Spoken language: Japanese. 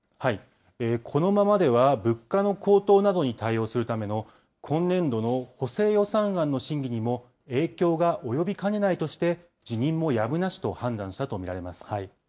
このままでは物価の高騰などに対応するための今年度の補正予算案の審議にも影響が及びかねないとして、辞任もやむなしと判断したと見られます。